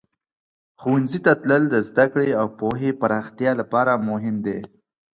ښوونځي ته تلل د زده کړې او پوهې پراختیا لپاره مهم دی.